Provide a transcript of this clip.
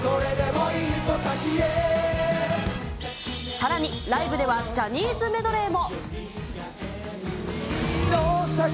さらにライブでは、ジャニーズメドレーも。